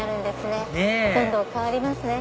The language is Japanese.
ねぇどんどん変わりますね。